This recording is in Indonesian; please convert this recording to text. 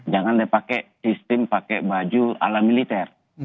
jangan pakai sistem pakai baju ala militer